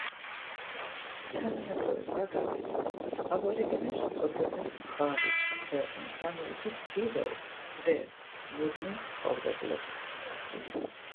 თანამედროვე გაგებით აბორიგენებს უწოდებენ მხარის, ქვეყნის ან ოლქის ძირეულ, ძველ, მუდმივ მცხოვრებლებს.